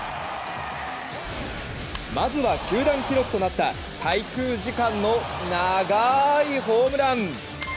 まずは、球団記録となった滞空時間の長いホームラン！